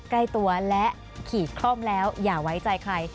ใกล้ตัวและขี่คล่อมแล้วอย่าไว้ใจใคร